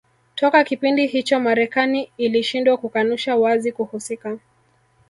Toka kipindi hicho Marekani ilishindwa kukanusha wazi kuhusika